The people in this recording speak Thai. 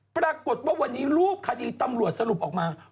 ปรากฏว่าวันนี้รูปคดีตำรวจสรุปออกมา